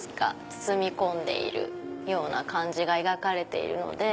包み込んでいるような感じが描かれているので。